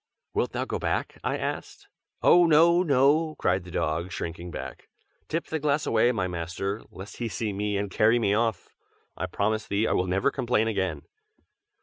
"Wilt thou go back?" I asked. "Oh, no, no!" cried the dog, shrinking back. "Tip the glass away, my master, lest he see me and carry me off! I promise thee I will never complain again!"